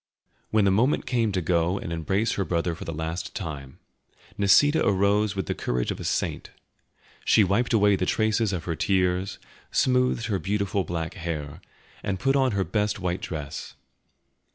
When the moment came to go and embrace her brother for the last time, Nisida arose with the courage of a saint. She wiped away the traces of her tears, smoothed her beautiful black hair, and put on her best white dress.